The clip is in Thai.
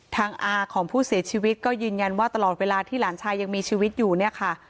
อาของผู้เสียชีวิตก็ยืนยันว่าตลอดเวลาที่หลานชายยังมีชีวิตอยู่เนี่ยค่ะ